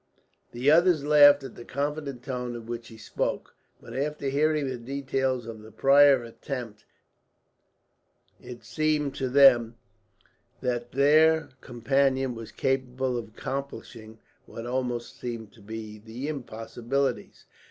The others laughed at the confident tone in which he spoke, but after hearing the details of the prior attempt, it seemed to them that their companion was capable of accomplishing what almost seemed to be impossibilities.